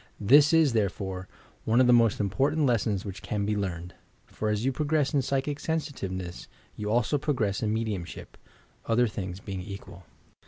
This is, therefore, one of the most important Lea sons which can be learned, for as you progress in psychic sensitiveness, you also progress in mediumship, — other things being equal.